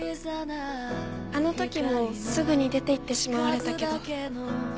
あの時もすぐに出ていってしまわれたけど。